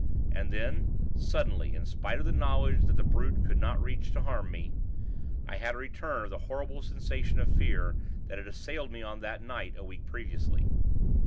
And then, suddenly, in spite of the knowledge that the brute could not reach to harm me, I had a return of the horrible sensation of fear, that had assailed me on that night, a week previously.